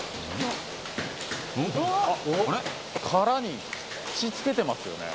殻に口つけてますよね。